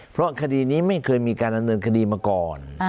เพราะคดีนี้ไม่เคยมีการดำเนินคดีมาก่อน